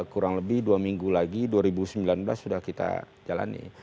kurang lebih dua minggu lagi dua ribu sembilan belas sudah kita jalani